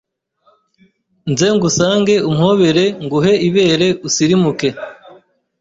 Nze ngusange umpobere Nguhe ibere usirimuke.